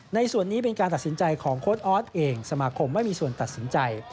ในส่วนนี้เป็นการตัดสินใจของโค้ดออสเองสมาคมไม่มีส่วนตัดสินใจ